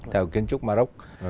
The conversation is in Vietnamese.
theo kiến trúc morocco